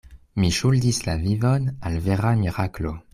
Mi ŝuldis la vivon al vera miraklo.